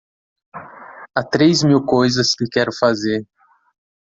Há três mil coisas que quero fazer.